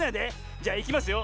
じゃいきますよ。